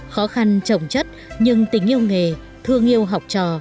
khó khăn trồng chất nhưng tình yêu nghề thương yêu học trò